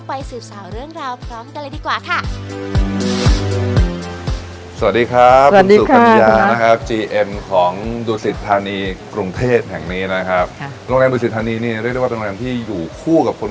ไปสื่อสารเรื่องราวพร้อมกันเลยก่อนค่ะ